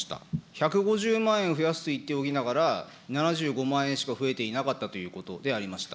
１５０万円増やすと言っておきながら、７５万円しか増えていなかったということでありました。